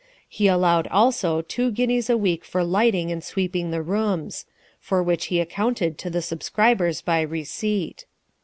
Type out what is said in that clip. He allowed also two guineas a week for lighting and sweeping the rooms ; for which he accounted to the subscribers by receipt.